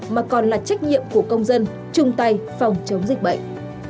mà còn là trách nhiệm của công dân chung tay phòng chống dịch bệnh